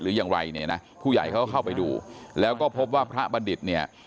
หรือยังไงผู้ใหญ่เข้าไปดูแล้วก็พบว่าพระบรรดิษฐ์